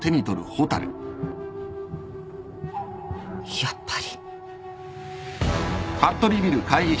やっぱり。